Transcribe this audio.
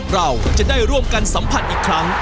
เราจะได้ร่วมกันสัมผัสอีกครั้ง